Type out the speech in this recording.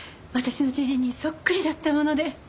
私の知人にそっくりだったもので。